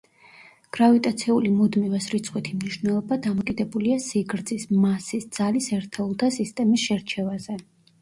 გრავიტაციული მუდმივას რიცხვითი მნიშვნელობა დამოკიდებულია სიგრძის, მასის, ძალის ერთეულთა სისტემის შერჩევაზე.